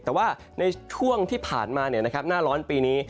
แต่ว่าในช่วงที่ผ่านมาหน้าร้อนปีนี้